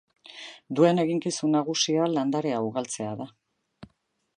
Duen eginkizun nagusia landarea ugaltzea da.